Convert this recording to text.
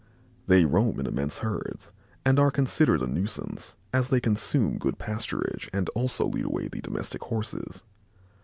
They roam in immense herds and are considered a nuisance, as they consume good pasturage and also lead away the domestic Horses.